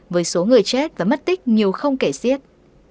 với số người chết và mất tích nhiều không kể siết